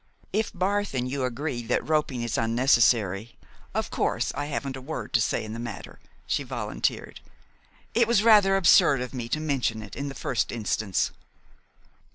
"If Barth and you agree that roping is unnecessary, of course I haven't a word to say in the matter," she volunteered. "It was rather absurd of me to mention it in the first instance."